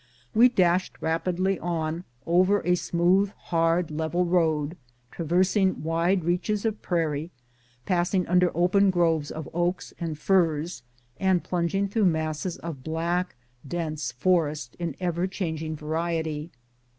We dashed rapidly on over a smooth, hard, level road, traversing wide reaches of prairie, passing under open groves of oaks and firs, and plunging through masses of black, dense forest in ever changing variety.